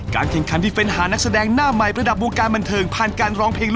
ข้าท้องทนอยู่ที่ผลงานผ่านมา